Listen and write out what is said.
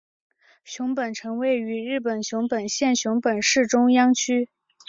熊本城位于日本熊本县熊本市中央区。